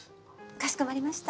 かしこまりました。